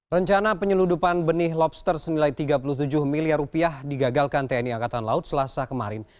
rencana penyeludupan benih lobster senilai tiga puluh tujuh miliar rupiah digagalkan tni angkatan laut selasa kemarin